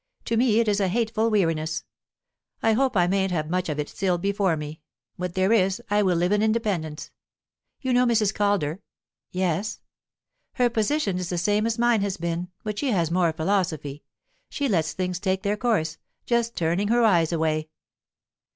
To me it is a hateful weariness. I hope I mayn't have much of it still before me; what there is, I will live in independence. You know Mrs. Calder?" "Yes." "Her position is the same as mine has been, but she has more philosophy; she lets things take their course, just turning her eyes away."